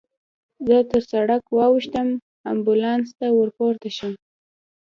زه تر سړک واوښتم، امبولانس ته ورپورته شوم.